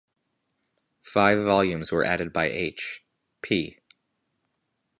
Five volumes were added by H.-P.